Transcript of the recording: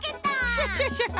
クシャシャシャ！